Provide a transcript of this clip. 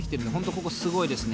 ここすごいですね。